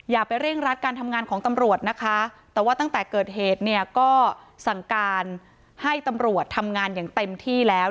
อย่าไปเร่งรัดการทำงานของตำรวจนะคะแต่ว่าตั้งแต่เกิดเหตุเนี่ยก็สั่งการให้ตำรวจทำงานอย่างเต็มที่แล้ว